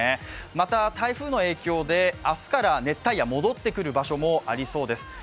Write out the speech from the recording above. また台風の影響で明日から熱帯夜が戻ってくる場所もありそうです。